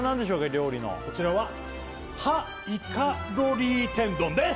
料理のこちらはハ“イカ”ロリー天丼です！